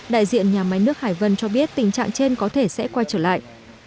đại diện nhà máy nước hải vân cho biết tình trạng trên có thể sẽ quay trở lại